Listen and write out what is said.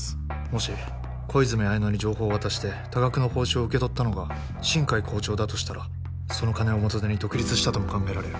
もし小泉文乃に情報を渡して多額の報酬を受け取ったのが新偕校長だとしたらその金を元手に独立したとも考えられる